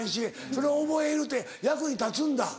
それ覚えるって役に立つんだ？